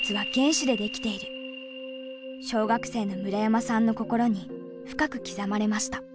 小学生の村山さんの心に深く刻まれました。